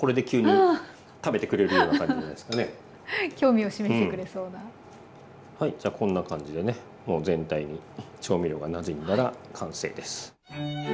じゃあこんな感じでねもう全体に調味料がなじんだら完成です。